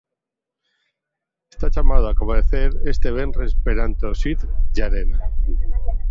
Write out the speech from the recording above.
Está chamado a comparecer este venres perante o xuíz Llarena.